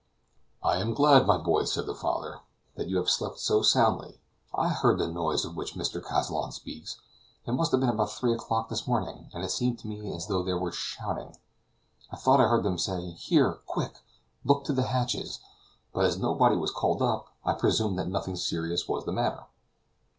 "I am glad, my boy," said the father, "that you have slept so soundly. I heard the noise of which Mr. Kazallon speaks. It must have been about three o'clock this morning, and it seemed to me as though they were shouting. I thought I heard them say; 'Here, quick, look to the hatches!' but as nobody was called up, I presumed that nothing serious was the matter."